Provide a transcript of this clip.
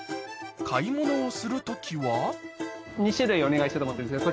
買い物をする時は２種類お願いしようと思ってるんですけど。